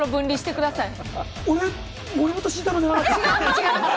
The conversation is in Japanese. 俺、森本慎太郎じゃなかった？